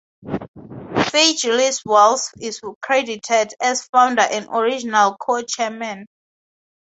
Fay Gillis Wells is credited as founder and original co-chairman.